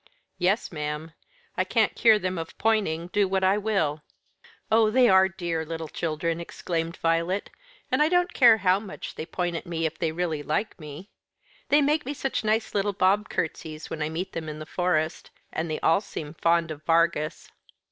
"Yes, ma'am. I can't cure them of pointing, do what I will." "Oh, they are dear little children," exclaimed Violet, "and I don't care how much they point at me if they really like me. They make me such nice little bob curtsies when I meet them in the Forest, and they all seem fond of Argus.